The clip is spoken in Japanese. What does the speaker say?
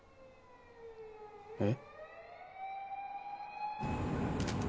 えっ？